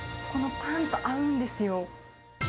このパンと合うんですよ。